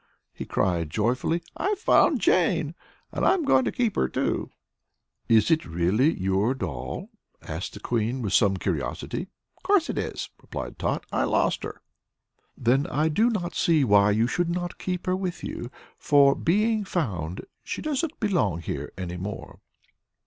he cried, joyfully; "I've found Jane! An' I'm going to keep her, too." "Is it really your doll?" asked the Queen, with some curiosity. "Course it is," replied Tot; "I lost her." "Then I do not see why you should not keep her with you; for, being found, she doesn't belong here any more."